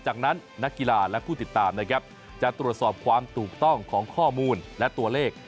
จากนั้นนักกีฬาและผู้ติดตามนะครับจะตรวจสอบความถูกต้องของข้อมูลและตัวเลข